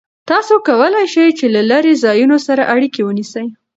تاسو کولای شئ چې له لرې ځایونو سره اړیکه ونیسئ.